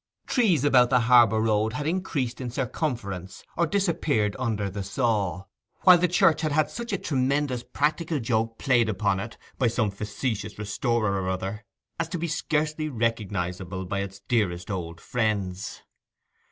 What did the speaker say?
Trees about the harbour road had increased in circumference or disappeared under the saw; while the church had had such a tremendous practical joke played upon it by some facetious restorer or other as to be scarce recognizable by its dearest old friends.